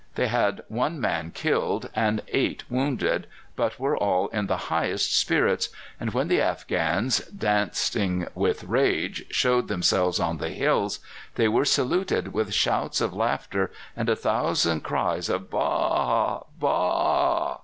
They had one man killed and eight wounded, but were all in the highest spirits, and when the Afghans, dancing with rage, showed themselves on the hills, they were saluted with shouts of laughter and a thousand cries of "B a a! b a a!"